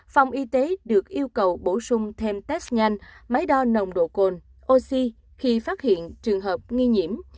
phòng y tế được yêu cầu bổ sung thêm test nhanh máy đo nồng độ cồn oxy khi phát hiện trường hợp nghi nhiễm